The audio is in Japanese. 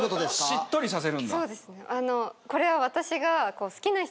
しっとりさせるんだ。